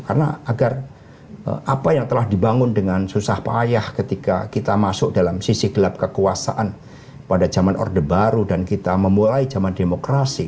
karena agar apa yang telah dibangun dengan susah payah ketika kita masuk dalam sisi gelap kekuasaan pada zaman orde baru dan kita memulai zaman demokrasi